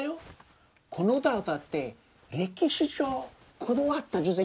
「この歌歌って歴史上断った女性